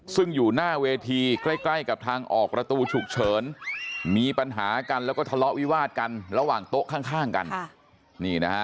ซึ่งอยู่หน้าเวทีใกล้กับทางออกประตูฉุกเฉินมีปัญหากันแล้วก็ทะเลาะวิวาดกันระหว่างโต๊ะข้างกัน